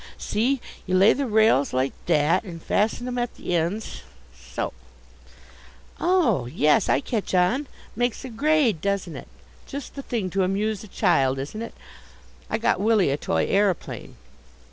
See! You lay the rails like that and fasten them at the ends, so " "Oh, yes, I catch on, makes a grade, doesn't it? Just the thing to amuse a child, isn't it? I got Willy a toy aeroplane."